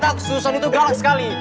tak susan itu galak sekali